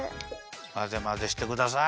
まぜまぜしてください。